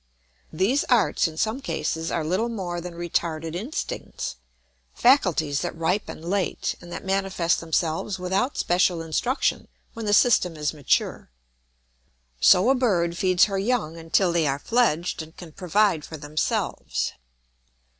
] These arts in some cases are little more than retarded instincts, faculties that ripen late and that manifest themselves without special instruction when the system is mature. So a bird feeds her young until they are fledged and can provide for themselves.